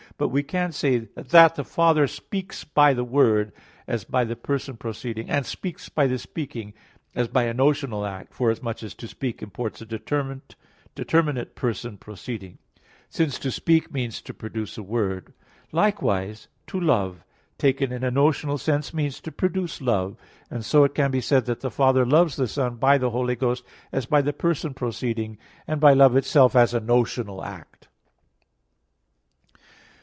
But we can say that the Father speaks by the Word, as by the Person proceeding, "and speaks by the speaking," as by a notional act; forasmuch as "to speak" imports a determinate person proceeding; since "to speak" means to produce a word. Likewise to love, taken in a notional sense, means to produce love; and so it can be said that the Father loves the Son by the Holy Ghost, as by the person proceeding, and by Love itself as a notional act.